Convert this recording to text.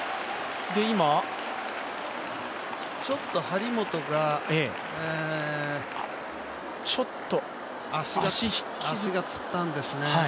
ちょっと張本が、足がつったんですね。